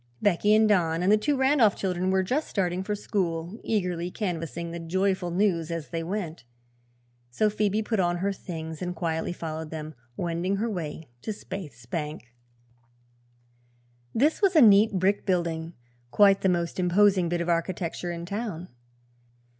Becky and Don and the two Randolph children were just starting for school, eagerly canvassing the joyful news as they went. So Phoebe put on her things and quietly followed them, wending her way to Spaythe's bank. This was a neat brick building, quite the most imposing bit of architecture in town.